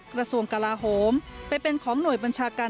กระทรวงกลาโหมไปเป็นของหน่วยบัญชาการ